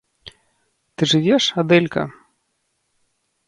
- Ты жывеш, Адэлька?..